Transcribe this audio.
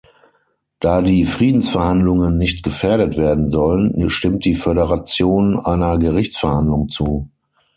Da die Friedensverhandlungen nicht gefährdet werden sollen, stimmt die Föderation einer Gerichtsverhandlung zu.